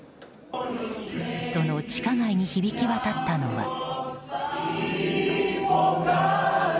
その地下街に響き渡ったのが。